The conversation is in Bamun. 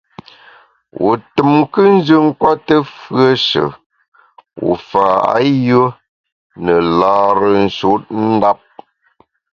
Wu tùm nkùnjù nkwete fùeshe wu fa ayùe ne lâre nshutndap.